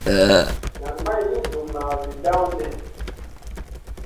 Nan may wi Zumma vi dawn ɗi.